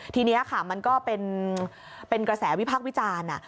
ทีนี้ค่ะมันก็เป็นกระแสวิพักษ์วิจารณ์